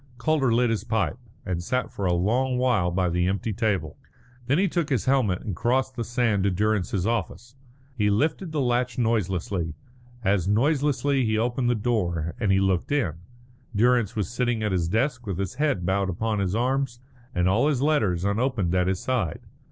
Calder lit his pipe, and sat for a long while by the empty table. Then he took his helmet and crossed the sand to Durrance's office. He lifted the latch noiselessly; as noiselessly he opened the door, and he looked in. Durrance was sitting at his desk with his head bowed upon his arms and all his letters unopened at his side.